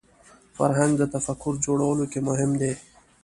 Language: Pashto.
فرهنګ د تفکر جوړولو کې مهم دی